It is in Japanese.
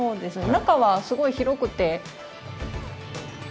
中はすごい広くて。